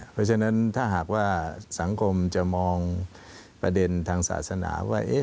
เพราะฉะนั้นถ้าหากว่าสังคมจะมองประเด็นทางศาสนาว่า